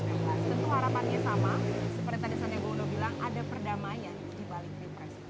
tentu harapannya sama seperti tadi saja yang saya bilang ada perdamaian di balik pilpres